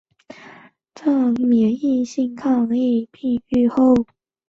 病愈后的患者通常对该疾病会产生免疫抗性。